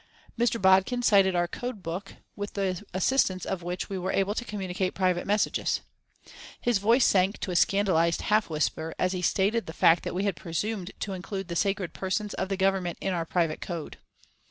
Mr. Bodkin cited our code book with the assistance of which we were able to communicate private messages. His voice sank to a scandalised half whisper as he stated the fact that we had presumed to include the sacred persons of the Government in our private code.